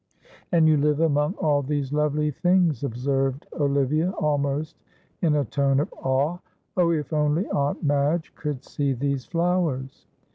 "And you live among all these lovely things!" observed Olivia, almost in a tone of awe. "Oh, if only Aunt Madge could see these flowers!"